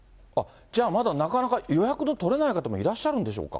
じゃあまだ、なかなか予約の取れない方もいらっしゃるんでしょうか。